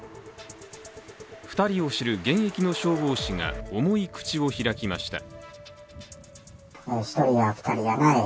２人を知る現役の消防士が重い口を開きました。